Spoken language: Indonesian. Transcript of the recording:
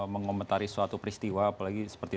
mengomentari suatu peristiwa apalagi seperti